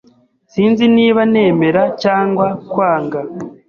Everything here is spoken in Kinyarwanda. Sinzi niba nemera cyangwa kwanga.